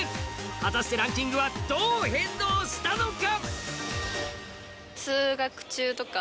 果たしてランキングはどう変動したのか？